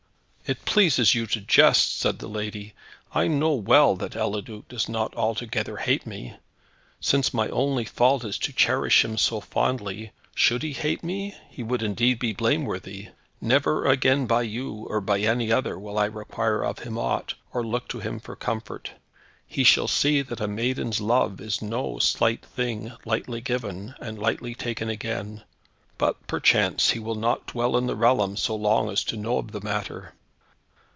"It pleases you to jest," said the lady. "I know well that Eliduc does not altogether hate me. Since my only fault is to cherish him too fondly, should he hate me, he would indeed be blameworthy. Never again by you, or by any other, will I require him of aught, or look to him for comfort. He shall see that a maiden's love is no slight thing, lightly given, and lightly taken again but, perchance, he will not dwell in the realm so long as to know of the matter."